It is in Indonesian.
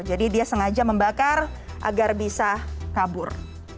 jadi dia sengaja membakar agar bisa kabur